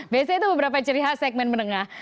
biasanya itu beberapa ciri khas segmen menengah